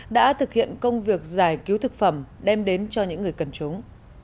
đã thực hiện công việc giải cứu thực phẩm đem đến cho những người cần chúng